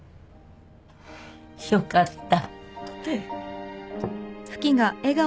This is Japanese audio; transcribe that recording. よかった。